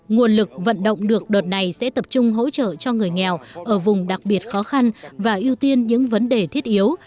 nguồn lực vận động được đợt này sẽ tập trung hỗ trợ cho người nghèo ở vùng đặc biệt khó khăn và ưu tiên những vấn đề thiết yếu